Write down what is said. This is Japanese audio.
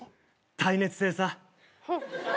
耐熱性さ。